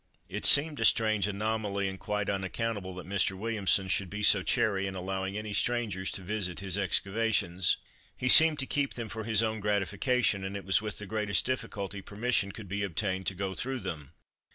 It seemed a strange anomaly, and quite unaccountable that Mr. Williamson should be so chary in allowing any strangers to visit his excavations. He seemed to keep them for his own gratification, and it was with the greatest difficulty permission could be obtained to go through them.